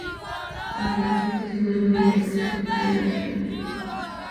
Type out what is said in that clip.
Además, el turismo es una importante industria en la región.